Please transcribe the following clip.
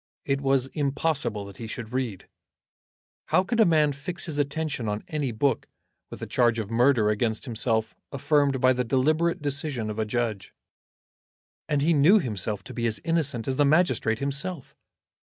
It was impossible that he should read. How could a man fix his attention on any book, with a charge of murder against himself affirmed by the deliberate decision of a judge? And he knew himself to be as innocent as the magistrate himself.